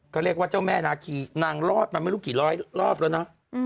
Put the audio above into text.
ก็เรียกว่าเจ้าแม่นาคีนางรอดมาไม่รู้กี่ร้อยรอบแล้วนะ